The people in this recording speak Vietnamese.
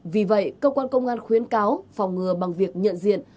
vì vậy cơ quan công an khuyến cáo phòng ngừa bằng việc nhận diện